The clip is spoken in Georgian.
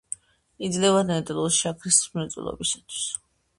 იძლევა ნედლეულს შაქრის მრეწველობისათვის.